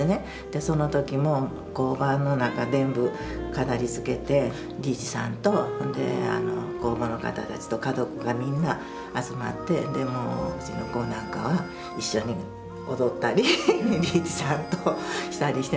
その時も工房の中全部飾りつけてリーチさんと工房の方たちと家族がみんな集まってうちの子なんかは一緒に踊ったりリーチさんとしたりしてました。